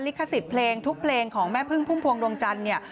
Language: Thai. ขสิทธิ์เพลงทุกเพลงของแม่พึ่งพุ่มพวงดวงจันทร์เนี่ย